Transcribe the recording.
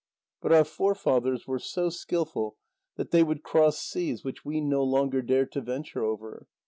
But our forefathers were so skilful, that they would cross seas which we no longer dare to venture over.